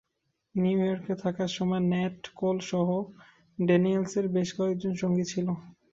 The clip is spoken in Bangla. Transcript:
নিউ ইয়র্কে থাকার সময় ন্যাট কোলসহ ড্যানিয়েলসের বেশ কয়েকজন সঙ্গী ছিল।